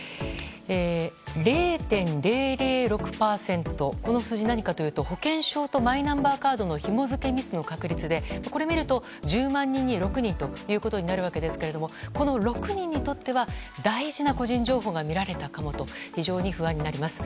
０．００６％この数字何かというと保険証とマイナンバーカードのひも付けミスの確率でこれを見ると１０万人に６人なんですがこの６人にとっては大事な個人情報が見られたかもと非常に不安になります。